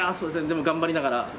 でも頑張りながら。